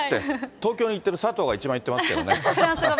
東京に行ってるさとうが一番言ってますけどね。